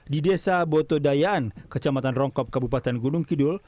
di desa botodayaan kecamatan rongkop kabupaten gunung kidul